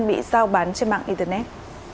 bị giao bán trên mạng internet